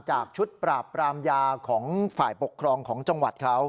จากชุดปราบปรามยาของฝ่ายปกครองของจังหวัดเขา